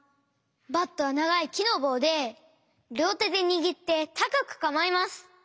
バットはながいきのぼうでりょうてでにぎってたかくかまえます。